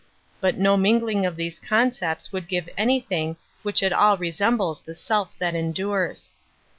But no mingling of these con cepts would give anything which at all resembles the self that endures.